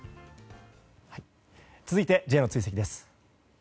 続いて、Ｊの追跡です。